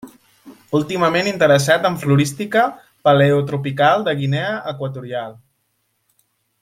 Últimament interessat en florística Paleotropical de Guinea Equatorial.